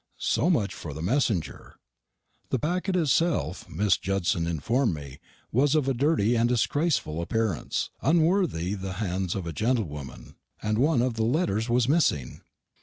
So much for the messenger. The packet itself, Miss Judson informed me, was of a dirty and disgraceful appearance, unworthy the hands of a gentlewoman, and one of the letters was missing.